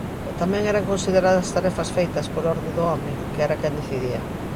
E tamén eran consideradas tarefas feitas por orde do home, que era quen decidía.